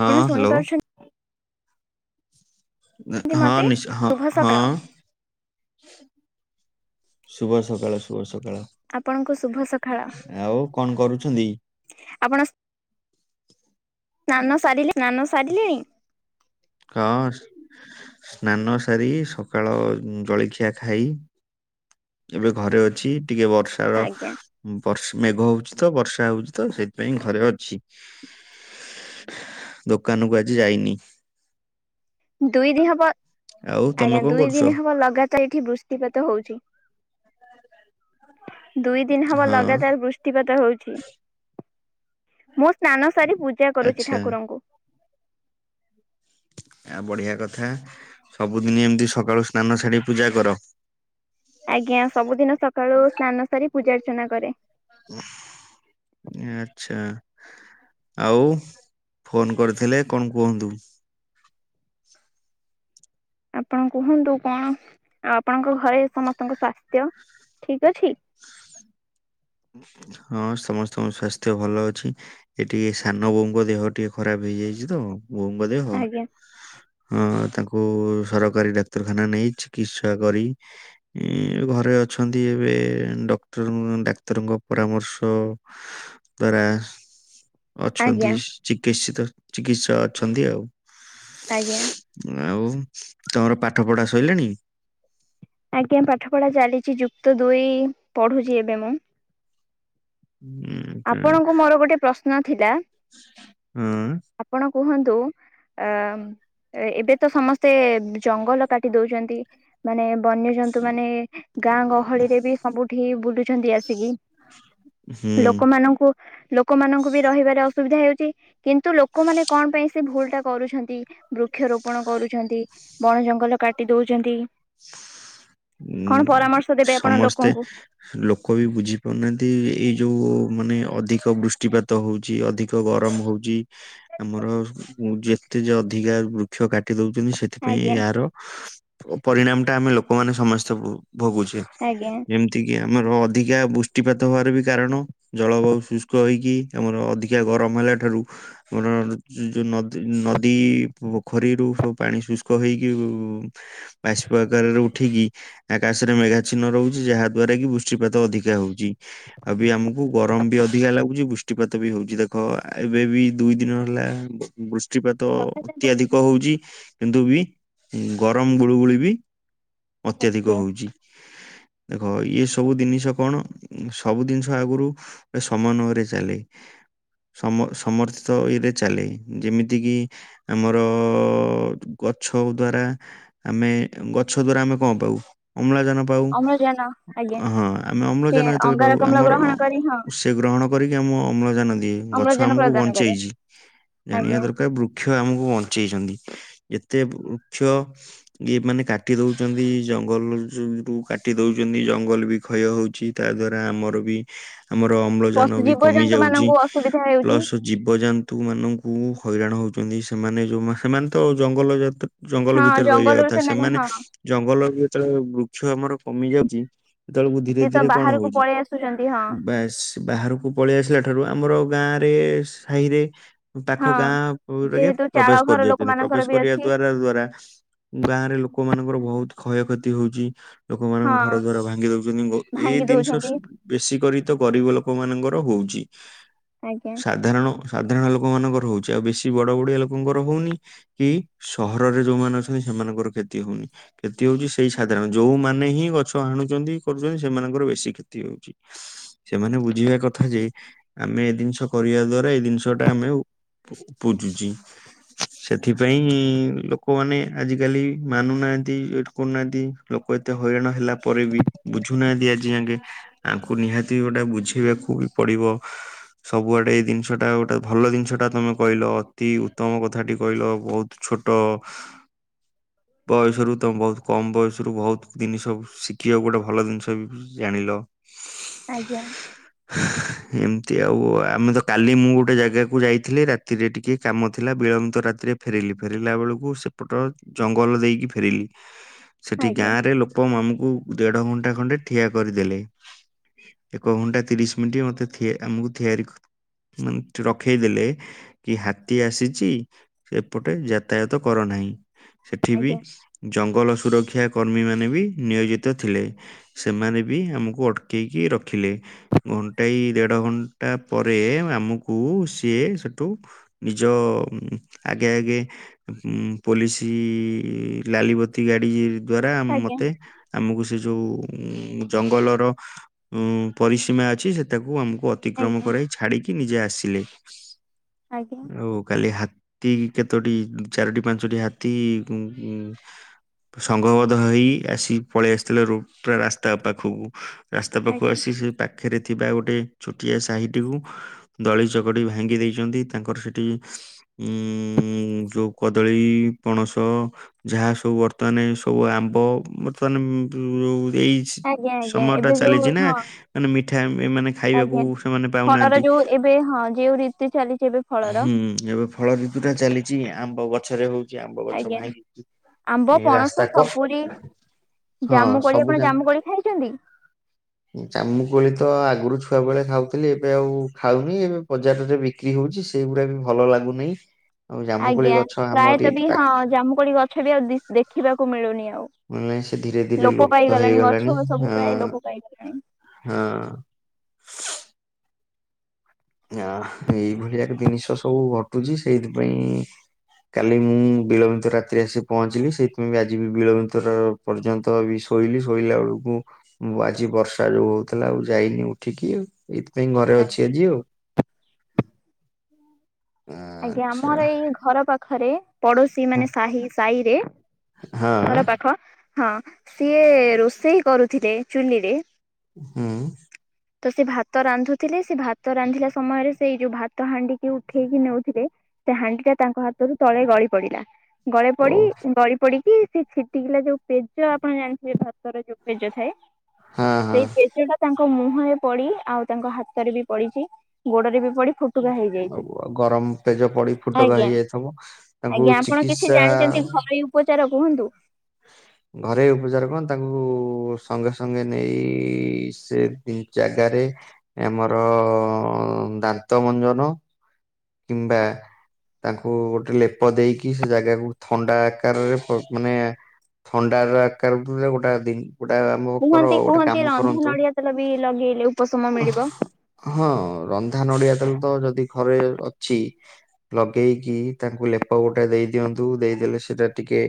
ହଁ ଆପଣ ଶୁଣି ହ୍ୟାଲୋ ପାରୁଛନ୍ତି। ଏ ହଁ ମତେ? ନିଶ୍ଚ ହଁ ଶୁଭ ହଁ। ସକାଳ ଶୁଭ ସକାଳ ଶୁଭ ସକାଳ। ଆପଣଙ୍କୁ ଶୁଭ ସକାଳ ଆଉ କଣ କରୁଛନ୍ତି? ଆପଣ ସ୍ନାନ ସାରିଲେ। ସ୍ନାନ ସାରିଲେଣି। କଣ କରୁଛୁ? ସ୍ନାନ ସାରି ସକାଳ ଉଁ ଜଳଖିଆ ଖାଇ ଏବେ ଘରେ ଅଛି। ଟିକେ ବଷ୍ ଆଜ୍ଞା। ବଷ୍ ମେଘ ହଉଛି ତ ବର୍ଷା ହଉଛି ତ ସେଥିପାଇଁ ଘରେ ଅଛି। ଦୋକାନକୁ ଆଜି ଯାଇନି। ଦୁଇ ଦିନି ହବ ଆଉ ତମେ ଆଜ୍ଞା କଣ ଦୁଇ କରୁଛ ଦିନ ହବ ଲଗାତ୍ ବର୍ଷା ଏଇଠି ବୃଷ୍ଟିପାତ ହଉଛି। ଦୁଇ ଦିନି ହବ ହଁ ଲଗାତାର ବୃଷ୍ ବୃଷ୍ଟିପାତ ହଉଛି। ମୁଁ ସ୍ନାନ ସାରି ପୂଜା କରୁଚି ଆଚ୍ଛା। ଠାକୁରଙ୍କୁ। ଆ ବଢ଼ିଆ କଥା ସବୁଦିନ ଏମିତି ସକାଳୁ ସ୍ନାନ ସାରି ପୂଜା କର। ଆଜ୍ଞା ସବୁଦିନ ସକାଳୁ ସ୍ନାନ ସାରି ପୂଜାର୍ଚ୍ଚନା କରେ। ଓଃ ଆଚ୍ଛା। ଆଉ ଫୋନ କରିଥିଲେ। କଣ କୁହନ୍ତୁ? ଆପଣ କୁହନ୍ତୁ କଣ? ଆଉ ଆପଣଙ୍କ ଘରେ ସମସ୍ତଙ୍କ ସ୍ୱାସ୍ଥ୍ୟ ଠିକ୍ ଅଛି। ହଁ ସମସ୍ତଙ୍କ ସ୍ୱାସ୍ଥ୍ୟ ଭଲ ଅଛି। ଏ ଟିକେ ସାନ ବୋଉଙ୍କ ଦେହ ଟିକେ ଖରାପ ହେଇଯାଇଚି ତ ବୋଉଙ୍କ ଦେହ। ଆଜ୍ଞା ହଁ ତାଙ୍କୁ ସରକାରୀ ଡାକ୍ତରଖାନା ନେଇ ଚିକିତ୍ସା କରି। ଏଇ ଘରେ ଅଛନ୍ତି ଏବେ ଡକ୍ଟରକୁ ନହେନେ ଡାକ୍ ଡ଼ାକ୍ତରଙ୍କ ପରାମର୍ଶ ଦ୍ଵାରା ଆଜ୍ଞା ଅଛନ୍ତି। ଚିକିତ୍ସିତ ଚିକିତ୍ସା ଅଛନ୍ତି ଆଉ। ଆଜ୍ଞା ଆଉ ତମର ପାଠ ପଢ଼ା ସରିଲାଣି। ଆଜ୍ଞା ପାଠ ପଢ଼ା ଚାଲିଚି ଯୁକ୍ତ ଦୁଇ ପଢୁଛି ଏବେ ମୁଁ। ହୁଁ ଆପଣଙ୍କୁ ମୋର ଗୋଟେ ପ୍ରଶ୍ନ ଥିଲା। ହଁ ଆପଣ କୁହନ୍ତୁ। ଏ ଏ ଏବେ ତ ସମସ୍ତେ ଜଙ୍ଗଲ କାଟି ଦଉଚନ୍ତି। ମାନେ ବନ୍ୟଜନ୍ତୁ ମାନେ ଗାଁ ଗହଳିରେ ବି ସବୁଠି ବୁଲୁଛନ୍ତି ଆସିକି। [unintelligible] ଲୋକମାନଙ୍କୁ ଲୋକମାନଙ୍କୁ ବି ରହିବାରେ ଅସୁବିଧା ହେଉଚି। କିନ୍ତୁ ଲୋକମାନେ କଣ ପାଇଁ ସେ ଭୁଲଟା କରୁଛନ୍ତି। ବୃକ୍ଷରୋପଣ କରୁଛନ୍ତି। ବଣ ଜଙ୍ଗଲ କାଟି ଦଉଚନ୍ତି। ଉଁ ଦେବେ ଆପଣ ସମସ୍ତେ ଲୋକଙ୍କୁ ଲୋକ ବି ବୁଝିପାରୁନାହାନ୍ତି ଏଇ ଯୋଉ ମାନେ ଅଧିକ ବୃଷ୍ଟିପାତ ହଉଚି। ଅଧିକ ଗରମ ହଉଚି। ଆମର ଯେତେ ଯେ ଅଧିକା ବୃକ୍ଷ କାଟି ଦଉଚନ୍ତି। ସେ ଏଥିପାଇଁ ଆଜ୍ଞା ୟାର ପରିଣାମଟା ଆମେ ଲୋକମାନେ ସମସ୍ତେ ଭୋଗୁଛେ। ଆଜ୍ଞା। ଏମିତିକିି ଆମର ଅଧିକା ବୃଷ୍ଟିପାତ ହବାର ବି କାରଣ ଜଳବାୟୁ ଶୁଷ୍କ ହେଇକି ଆମର ଅଧିକା ଗରମ ହେଲା ଠାରୁ ଆମର ଯୋଉ ନଦୀ ନଦୀ ପୋଖରୀରୁ ସବୁ ପାଣି ଶୁଷ୍କ ହେଇକି ବାଷ୍ପ ଆକାରରେ ଉଠିକି ଆକାଶରେ ମେଘାଛିନ୍ନ ରହୁଚି ଯାହା ଦ୍ଵାରା କି ବୃଷ୍ଟିପାତ ଅଧିକା ହଉଚି। ଆଉ ବି ଆମକୁ ଗରମ ବି ଅଧିକା ଲାଗୁଚି ବୃଷ୍ଟିପାତ ବି ହଉଛି ଦେଖ ଏବେ ବି ଦୁଇ ଦିନ ହେଲା ବୃଷ୍ଟିପାତ ଲଗାତାର ବହୁତ ଅତ୍ୟାଧିକ ହଉଚି କିନ୍ତୁ ବି ଗରମ ଗୁଳୁଗୁଳି ବି ବି ଅତ୍ୟାଧିକ ହଉଚି। ହଁ ଦେଖ ଇଏ ସବୁ ଦିନିଷ କଣ ସବୁ ଦିନିଷ ଆଗରୁ ସମୋନ୍ବରେ ଚାଲେ। ସମ ସମର୍ଥିତ ୱେରେ ଚାଲେ। ଯେମିତିକି ଆମର ଗଛ ଦ୍ଵାରା ଆମେ ଗଛ ଦ୍ଵାରା ଆମେ କଣ ପାଉ ଅମ୍ଳଜାନ। ପାଉ ଅମ୍ଳଜାନ ଆଜ୍ଞା ହଁ ଆମେ ସେ ଅମ୍ଳଜାନ ଯେତଳେ ପାଉ ଅଙ୍ଗାରକାମ୍ଳ ଆମର ଗ୍ରହଣ କରି ହଁ ସେ ଗ୍ରହଣ କରିକି ଆମ ଅମ୍ଳଜାନ ଦିଏ ଗଛ ଅମ୍ଳଜାନ ଆମକୁ ପ୍ରଦାନ କରେ ବଞ୍ଚେଇଛି ଜାଣିବା ଆଜ୍ଞା ଦରକାର ବୃ ବୃକ୍ଷ ଆମକୁ ବଞ୍ଚେଇଚନ୍ତି ଏତେ ବୃକ୍ଷ ଇଏ ମାନେ କାଟି ଦେଉଚନ୍ତି ଜଙ୍ଗଲୁ କାଟି ଦେଉଚନ୍ତି ଜଙ୍ଗଲ ବି କ୍ଷୟ ହେଉଚି। ତା ଦ୍ଵାରା ଆମର ବି ଆମର ଅମ୍ଳଜାନ ପଶୁ ବି କମି ଜୀବଜନ୍ତୁ ଯାଉଚି ମାନଙ୍କୁ ଅସୁବିଧା ହେଉଛି ପ୍ଲସ ଜୀବଜନ୍ତୁ ମାନଙ୍କୁ ହଇରାଣ ହେଉଚନ୍ତି ସେମାନେ ଯେଉଁ ସେମାନେ ତ ଜଙ୍ଗଲ ଯେ ଜଙ୍ଗଲ ହଁ ଭିତରେ ରହିବା ଜଙ୍ଗଲରୁ କଥା ସେମାନେ ହଁ ଜଙ୍ଗଲ ଯେତେବେଳେ ବୃକ୍ଷ ଆମର କମି ଯାଉଚି ସେତେବେଳକୁ ଧୀରେ ସିଏ ତ ଧୀରେ କଣ ବାହାରକୁ ହଉଚି ପଳେଇ ଆସୁଛନ୍ତି ହଁ ବାସ୍ ବାହାରକୁ ପଳେଇ ଆସିଲା ଠାରୁ ଆମର ଗାଁରେ ସାହିରେ ପାଖ ହଁ। ଗାଁରେ ଯେହେତୁ ଚାଳ ପ୍ରବେଶ କରି ଘର ଯାଉଚନ୍ତି ଲୋକମାନଙ୍କର ପ୍ରବେଶ ବି କରିବା ଅଛି ଦ୍ଵାରା ଦ୍ଵାରା ଗାଁ ରେ ଲୋକମାନଙ୍କର ବୋହୁତ୍ କ୍ଷୟ କ୍ଷତି ହଉଚି। ହଁ ଲୋକମାନଙ୍କ ଘର ଦ୍ଵାରା ଭାଙ୍ଗି ଦଉଚନ୍ତି [unintelligible] ଏଇ ଭାଙ୍ଗି ଦିନିଷ ଦଉଛନ୍ତି ବେଶୀ କରି ତ ଗରିବ ଲୋକ ମାନଙ୍କର ହଉଚି ଆଜ୍ଞା। ସାଧାରଣ ସାଧାରଣ ଲୋକମାନଙ୍କର ହଉଚି ଆଉ ବେଶୀ ବଡ଼ ବଡ଼ିଆ ଲୋକଙ୍କର ହଉନି। କି ସହରରେ ଯୋଉମାନେ ଅଛନ୍ତି ସେମାନଙ୍କର କ୍ଷତି ହଉନି। କ୍ଷତି ହଉଚି ସେଇ ସାଧାରଣ ଯୋଉମାନେ ହିଁ ଗଛ ହାଣୁଚନ୍ତି କରୁଛନ୍ତି ସେମାନଙ୍କର ବେଶୀ କ୍ଷତି ହଉଚି। ସେମାନେ ବୁଝିବା କଥା ଯେ ଆମେ ଏ ଦିନିଷ କରିବା ଦ୍ଵାରା ଏଇ ଦିନିଷ ଟା ଆମେ ଆଉ ବୁଝୁଚି ସେଥିପାଇଁ ଲୋକମାନେ ଆଜିକାଲି ମାନୁନାହାନ୍ତି ଏଇଠୁ କରୁନାହାନ୍ତି ଲୋକ ଏତେ ହଇରାଣ ହେଲା ପରେ ବି ବୁଝୁନାହାନ୍ତି ଆଜି ଯାକେ। ତାଙ୍କୁ ନିହାତି ଗୋଟେ ବୁଝେଇବାକୁ ବି ପଡିବ। ସବୁଆଡେ ଏଇ ଦିନିଷ ଟା ଗୋଟେ ଭଲ ଦିନିଷ ଟା ତମେ କହିଲ ଅତି ଉତ୍ତମ କଥାଟି କହିଲ ବୋହୁତ୍ ଛୋଟ ବୟସରୁ ତମେ ବୋହୁତ୍ କମ୍ ବୟସରୁୁ ବୋହୁତ୍ ଦିନିଷ ଶିଖିବାକୁ ଗୋଟେ ଭଲ ଦିନିଷ ବି। ଜାଣିଲ। ଆଜ୍ଞା। ଏମିତି ଆଉ ଆମେ ତ କାଲି ମୁଁ ଗୋଟେ ଜାଗାକୁ ଯାଇଥିଲି ରାତିରେ ଟିକେ କାମ ଥିଲା ବିଳମ୍ବିତ ରାତିରେ ଫେରିଲି ଫେରିଲା ବେଳକୁ ସେପଟ ଜଙ୍ଗଲ ଦେଇକି ଫେରିଲି ସେଠି ଆଜ୍ଞା ଗାଁରେ ଲୋ ଓ ମାମୁଁଙ୍କୁ ଦେଢ ଘଣ୍ଟା ଖଣ୍ଡେ ଠିଆ କରିଦେଲି। ଏକ ଘଣ୍ଟା ତିରିଶ ମିନିଟ୍ ମତେ ଥିଆ ଆମକୁ ଥିଆରି କର ମାନେ ଠି ରଖେଇଦେଲେ କି ହାତୀ ଆସିଛି ଏପଟେ ଯାତାୟାତ କର ନାହିଁ। ସେଠି ବି ଆଜ୍ଞା ଜଙ୍ଗଲ ସୁରକ୍ଷା କର୍ମୀ ମାନେ ବି ନିୟୋଜିତ ଥିଲେ। ସେମାନେ ବି ଆମକୁ ଅଟକେଇକି ରଖିଲେ। ଘଣ୍ଟାଇ ଦେଢ଼ ଘଣ୍ଟା ପରେ ଆମକୁ ସିଏ ସେଠୁ ନିଜ ଆଗେ ଆଗେ ପୋଲିସ କି ଲାଲିିବତୀ ଗାଡି ଦ୍ଵାରା ଆଜ୍ଞା ମତେ ଆମକୁ ସେ ଯୋଉ ଉ ଜଙ୍ଗଲର ଉ ପରିସୀମା ଅଛି ସେଟାକୁ ଆମକୁ ଅ ଆଜ୍ଞା ଅତିକ୍ରମ ଆଜ୍ଞା କରାଇ ଛାଡିକି ନିଜେ ଆସିଲେ, ଆଉ କାଲି ହା ହାତୀ କେତୋଟି ଚାରୋଟି ପାଞ୍ଚଟି ହାତୀ ଉଁ ସଂଘବଧ ହେଇ ଆସି ପଳେଇ ଆସିଥିଲେ ରୋଟ ରାସ୍ତା ପାଖକୁ। ରାସ୍ତା ପାଖକୁ ଆଜ୍ଞା। ଆସି ସେ ପାଖରେ ଥିବା ଗୋଟେ ଛୋଟିଆ ସାହିଟିକୁ ଦଳି ଚକଟି ଭାଙ୍ଗି ଦେଇଛନ୍ତି ତାଙ୍କର ସେଠି ଉଁ ଯୋଉ କଦଳୀ ପଣସ ଯାହା ସବୁ ବର୍ତ୍ତମାନ ସବୁ ଆମ୍ବ ବର୍ତ୍ତମାନ ଯଉ ଏଇ ଆଜ୍ଞା ଆଜ୍ଞା ସମୟଟା ଏବେ ଯୋଉ ଚାଲିଛି ନା ହଁ ମାନେ ମିଠା ଏ ମାନେ ଖାଇବାକୁ ଆଜ୍ଞା ସେମାନେ ଫଳର ପାଉନାହାଁନ୍ତି, ଯୋଉ ଏବେ ହଁ ଯୋଉ ଋତୁ ଚାଲିଛି ଏବେ ଫଳର ହୁଁ ଏବେ ଫଳ ବି ପୁରା ଚାଲିଛି ଆମ୍ବ ଗଛରେ ହଉ ଏ ଆମ୍ବ ଗଛ ଆଜ୍ଞା ଭାଙ୍ଗି ଆମ୍ବ ଏ ରାସ୍ତା କସ୍ ଜାମୁ କୋଳି ଆପଣ ଜାମୁ କୋଳି ଖାଇଛନ୍ତି? ଜାମୁକୋଳି ତ ଆଗରୁ ଛୁଆ ବେଳେ ଖାଉଥିଲି ଏବେ ଆଉ ଖାଉନି ଏବେ ବଜାରରେ ବି ବିକ୍ରି ହଉଛି ସେଇଗୁଡା ବି ଭଲ ଲାଗୁନାହିଁ। ଆଉ ଜାମୁକୋଳି ଆଜ୍ଞା ଗଛ ଆମର ପ୍ରାୟତଃ ଏଇଠି ବି ହଁ ପାଖ ଜାମୁକୋଳି ଗଛ ବି ଆଉ ଦେଖିବାକୁ ମିଳୁନି ଆଉ। ମାନେ ସେ ଧୀରେ ଧୀରେ ଲୋପ ଲୁପ୍ତ ପାଇଗଲାଣି ଗଛ ହେଇଗଲାଣି, ସବୁ ଆ ପ୍ରାୟ ଲୋପ ପାଇଗଲାଣି। ହଁ ଆ ଏଇ ଭଳିଆ ଜିନିଷ ସବୁ ଘଟୁଛି ସେଇଥିପାଇଁ କାଲି ମୁଁ ବିଳମ୍ବିତ ରାତିରେ ଆସିି ପହଞ୍ଚିଲି ସେଇଥିପାଇଁ ବି ଆଜି ବି ବିଳବିତର ପର୍ଯ୍ୟନ୍ତ ବି ଶୋଇଲି ଶୋଇଲା ବେଳକୁ ଆଜି ବର୍ଷା ଯୋଉ ହଉଥିଲା ଆଉ ଯାଇନି ଉଠିକି ଆଉ। ଏଇଥିପାଇଁ ଘରେ ଅଛି ଆଜ୍ଞା। ଆଜି ଆଉ। ଆଜ୍ଞା ଆଚ୍ଛା ଆମର ଏଇ ଘର ପାଖରେ ପଡୋଶୀ ମାନେ ସାହି ସାହିରେ ହଁ ଘର ପାଖ ହଁ ସିଏ ରୋଷେଇ କରୁଥିଲେ ଚୁଲିରେ ହୁଁ। ତ ସେ ଭାତ ରାନ୍ଧୁଥିଲେ ସେ ଭାତ ରାନ୍ଧିଲା ସମୟରେ ସେଇ ଯୋଉ ଭାତ ହାଣ୍ଡିିକି ଉଠେଇକି ନଉଥିଲେ। ସେ ହାଣ୍ଡିଟା ତାଙ୍କ ହାତରୁ ତଳେ ଗଳି ପଡିଲା ଗଳେ ଓ ପଡି ଗଳି ପଡିକି ସେ ଛି ଟିକିଲା ଯୋଉ ପେଜ ଆପଣ ଜାଣିିବେ ଭାତର ଯୋଉ ପେଜ ଥାଏ, ହଁ ହଁ ସେଇ ପେଜ ଟା ତାଙ୍କ ମୁଁ ମୁହଁରେ ପଡି ଆଉ ତାଙ୍କ ହାତରେ ବି ପଡିଛି, ଗୋଡରେ ବି ପଡି ଫୁଟୁକା ହେଇଯାଇଛି ଆଉ ଗରମ ପେଜ ପଡି ଫୁଟକା ଆଜ୍ଞା ହେଇଯାଇଥିବ ତାଙ୍କୁ ଆଜ୍ଞା ଆପଣ କିଛି ଚିକିତ୍ସା ଜାଣିଛନ୍ତି ଘରୋଇ ଉପଚାର କୁହନ୍ତୁ। ଘରେଇ ଉପଚାର କଣ ତାଙ୍କୁ ସଙ୍ଗେ ସଙ୍ଗେ ନେଇ ସେ ଦି ଜାଗାରେ ଆମର ଦାନ୍ତ ମଞ୍ଜନ କିମ୍ବା ତାଙ୍କୁ ଗୋଟେ ଲେପ ଦେଇକି ସେ ଜାଗାକୁ ଥଣ୍ଡା ଆକାରରେ ପ ମାନେ ଥଣ୍ଡାର ଆକାରରେ ଗୋଟେ ଦି ଗୋଟେ ଆମ ଓପର କୁହନ୍ତି ଗୋଟେ କୁହନ୍ତି କାମ ରନ୍ଧା କରନ୍ତୁ। ନଡିଆ ତେଲ ବି ଲଗେଇଲେ ଉପଶମ ମିଳିବ ହଁ ରନ୍ଧା ନଡିଆ ତେଲ ତ ଯଦି ଘରେ ଅ ଛି ଲଗେଇକି ତାଙ୍କୁ ଲେପ ଗୋଟା ଦେଇଦିଅନ୍ତୁ ଦେଇଦେଲେ ସେଟା ଟିକେ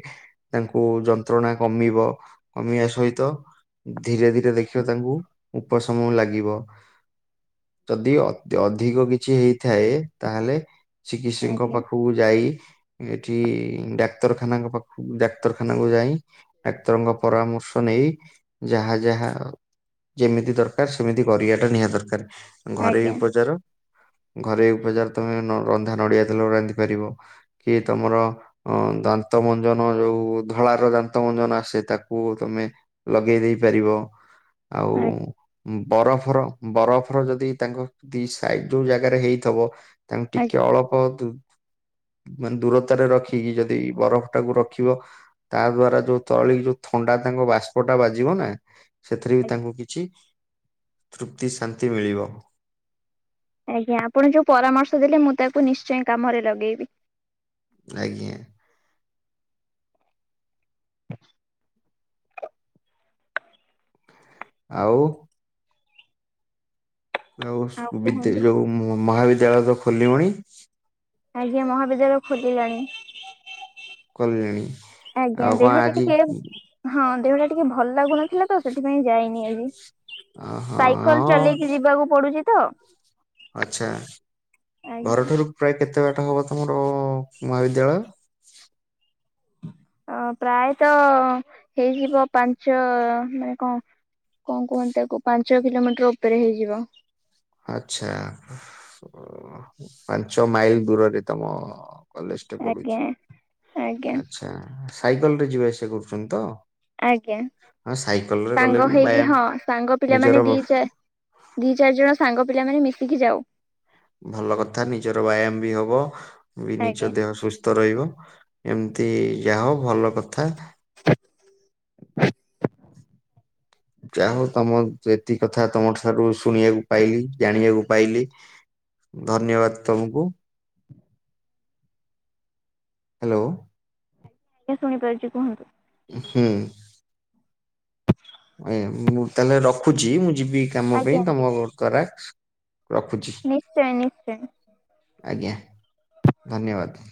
ତାଙ୍କୁ ଯନ୍ତ୍ରଣା କମିବ କମିବା ସହିତ ଧୀରେ ଧୀରେ ଦେଖିବ ତାଙ୍କୁ ଉପଶମ ଲାଗିବ। ଯଦି ଅଧିକ କିଛି ହେଇଥାଏ ତାହେଲେ ଚିକିତ୍ସି ଙ୍କ ଆଜ୍ଞା ପାଖକୁ ଯାଇ ଏଠି ଡାକ୍ତରଖାନାଙ୍କ ପାଖକୁ ଡାକ୍ତରଖାନାକୁ ଯାଇ ଡାକ୍ତରଙ୍କ ପରାମର୍ଶ ନେଇ ଯାହା ଯାହା ଯେମିତି ଦରକାର ସେମିତି କରିବାଟା ନିହା ଦରକାର ଘରୋଇ ଆଜ୍ଞା। ଉପଚାର ଘରେଇ ଉପଚାର ତମେ ରନ୍ଧା ନଡିଆ ତେଲ ରାନ୍ଧି ପାରିବ। କିଏ ତମର ଅ ଦାନ୍ତ ମଞ୍ଜନ ଯୋଉ ଧଳାର ଦାନ୍ତ ମଞ୍ଜନ ଆସେ ତାକୁ ତମେ ଲଗେଇ ଦେଇ ପାରିବ ଆଉ ଆଜ୍ଞା ବରଫର ବରଫର ଯଦି ତାଙ୍କ ଦି ସାଇଡ ଯୋଉ ଜାଗାରେ ହେଇଥିବ ତାଙ୍କୁ ଟିକେ ଅଳପ ଧୁ ମାନେ ଦୂରତାରେ ରଖିକି ଯଦି ବରଫ ଟାକୁ ରଖିବ ତା ଦ୍ଵାରା ଯୋଉ ତଳିକି ଯୋଉ ଥଣ୍ଡା ତାଙ୍କ ବାଷ୍ପଟା ବାଜିବ ନା ସେଥିରେ ବି ଆଜ୍ଞା। ତାଙ୍କୁ କିଛି ତୃପ୍ତି ଶାନ୍ତି ମିଳିବ। ଆଜ୍ଞା ଆପଣ ଯୋଉ ପରାମର୍ଶ ଦେଲେ ମୁଁ ତାକୁ ନିଶ୍ଚୟ କାମରେ ଲଗେଇବି। ଆଜ୍ଞା। ହଁ ଆଉ ଆଉ ସ୍କୁ ଯୋଉ ମହାବିଦ୍ୟାଳୟ ତ ଖୋଲିବଣି। ଆଜ୍ଞା ମହାବିଦ୍ୟାଳୟ ଖୋଲିଲେଣି ଖୋଲିଲାଣି। ଆଜ୍ଞା ଆଉ କଣ ଦେହ ଟା ଆଜି ଟିକେ ହଁ ଦେହଟା ଟିକେ ଭଲ ଲାଗୁନଥିଲା ତ ସେଥିପାଇଁ ଯାଇନି ଆଜି ଅ, ହଁ ସାଇକଲ ହଁ ଚଲେଇକି ଯିବାକୁ ପଡୁଛି ତ। ଆଚ୍ଛା ଆଜ୍ଞା। ଘରଠାରୁ ପ୍ରାୟ କେତେ ବାଟା ହବ ତମର ମହାବିଦ୍ୟାଳୟ? ଅ ପ୍ରାୟତ ହେଇଯିବ ପାଞ୍ଚ ମାନେ କଣ କଣ କୁହନ୍ତି ତାକୁ ପାଞ୍ଚ କିଲୋମିଟର ଉପରେ ହେଇଯିବ। ଆଛା। ପାଞ୍ଚ ମାଇଲ ଦୂରରେ ତମ କଲେଜ। ଆଜ୍ଞା ପଡୁଚି ଆଜ୍ଞା ଆଛା ସାଇକଲ ରେ ଯିବା ଆସିବା କରୁଛନ୍ତି ତ? ଆଜ୍ଞା ହଁ ସାଇକେଲ ରେ ଗଲେ ସାଙ୍ଗ ବି ହେଇକି ବ୍ୟାୟାମ ହଁ ସାଙ୍ଗ ନିଜର ପିଲାମାନେ ଦି ଭ- ଚା ଦି ଚାରି ଜଣ ସାଙ୍ଗ ପିଲାମାନେ ମିଶିକି ଯାଉ। ଭଲ କଥା ନିଜର ବାୟାମ ବି ହବ ବି ଆଜ୍ଞା ନିଜ ଦେହ ସୁ ସ୍ଥ ରହିବ ଏମିତି ଯା ହଉ ଭଲ କଥା ଜା ହଉ ତମ ଏତିକ କଥା ତମ ଠାରୁ ଶୁଣିବାକୁ ପାଇଲି ଜାଣିବାକୁ ପାଇଲି। ଧନ୍ୟବାଦ ତମକୁ ହାଲୋ। ଆଜ୍ଞା ଶୁଣିପାରୁଛି କୁହନ୍ତୁ। ହୁଁ। ଆଜ୍ଞା ମୁଁ ତାହେଲେ ରଖୁଛି ମୁଁ ଯିବି କାମ ଆଜ୍ଞା ପାଇଁ ଆଜ୍ଞା ତମ [unintelligible] ରଖୁଛି। ନିଶ୍ଚୟ ନିଶ୍ଚୟ। ଆଜ୍ଞା ଧନ୍ୟବାଦ।